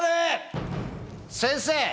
先生！